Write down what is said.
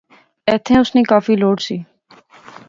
ایتھیں اس نی کافی لوڑ سی